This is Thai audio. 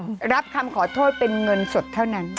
รับคำขอโทษเป็นเงินสดเท่านั้น